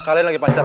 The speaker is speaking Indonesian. kalian lagi pacar